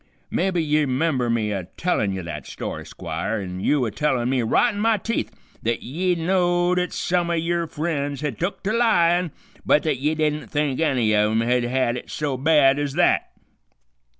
Mebby ye 'member me a tellin' ye that story, Squire, an' you a tellin' me right in my teeth th't ye know'd th't some o' yer friends had took to lyin', but th't ye didn't think any of 'em had it so bad ez that.